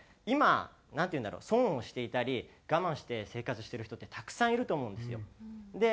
今なんていうんだろう損をしていたり我慢して生活してる人ってたくさんいると思うんですよ。